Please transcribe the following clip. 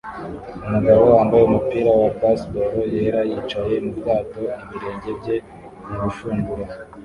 Umugabo wambaye umupira wa baseball yera yicaye mubwato ibirenge bye murushundura